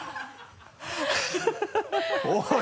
おい。